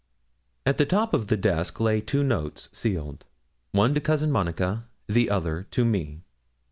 At the top of the desk lay two notes sealed, one to Cousin Monica, the other to me.